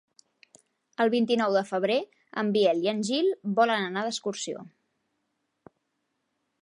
El vint-i-nou de febrer en Biel i en Gil volen anar d'excursió.